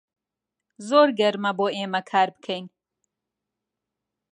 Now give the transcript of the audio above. زۆر گەرمە بۆ ئێمە کار بکەین.